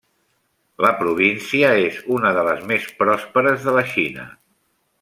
La província és una de les més pròsperes de la Xina.